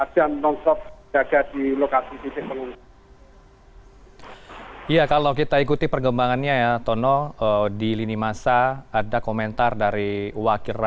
dianjurkan untuk masuk ke lokasi titik titik pengusian